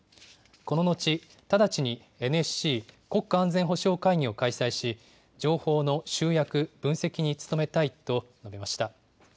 この後、直ちにＮＳＣ・国家安全保障会議を開催し情報の集約、分析に努めたいと述べました。